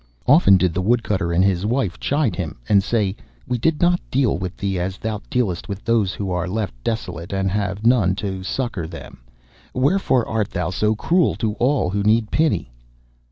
Often did the Woodcutter and his wife chide him, and say: 'We did not deal with thee as thou dealest with those who are left desolate, and have none to succour them. Wherefore art thou so cruel to all who need pity?